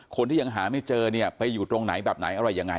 คนที่ยังหาไม่เจอเนี่ยไปอยู่ตรงไหนแบบไหนอะไรยังไง